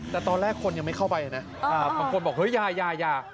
แต่ตอนแรกคนยังไม่เข้าไปนะบางคนบอกเฮ้ยยายา